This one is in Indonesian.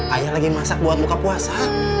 ayah lagi masak buat buka puasa